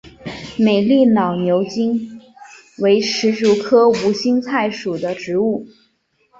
美丽老牛筋为石竹科无心菜属的植物。